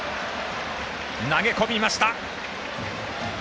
投げ込みました。